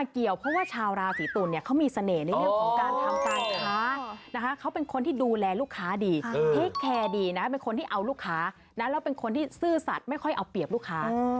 เกี่ยวชาวราศีตุลเขามีเสน่ห์ในเรื่องของการทำการค้า